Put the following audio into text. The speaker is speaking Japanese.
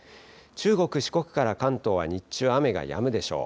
中国、四国から関東は日中、雨がやむでしょう。